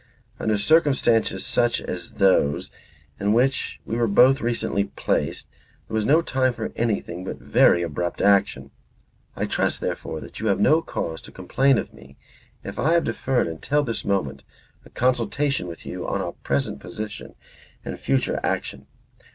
"Under circumstances such as those in which we were both recently placed there was no time for anything but very abrupt action. I trust therefore that you have no cause to complain of me if I have deferred until this moment a consultation with you on our present position or future action.